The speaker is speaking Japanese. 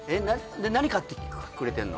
何買ってくれてんの？